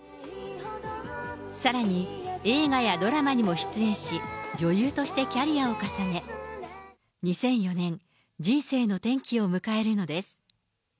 さらに、映画やドラマにも出演し、女優としてキャリアを重ね、２００４年、人生の転機を迎えるのです。